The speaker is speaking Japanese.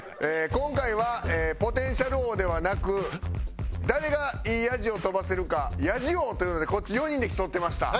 今回は「ポテンシャル王」ではなく誰がいいヤジを飛ばせるか「ヤジ王」というのでこっち４人で競ってました。